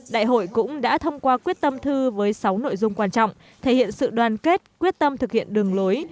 đại hội cũng đã thông qua quyết tâm thư với sáu nội dung quan trọng thể hiện sự đoàn kết quyết tâm thực hiện đường lối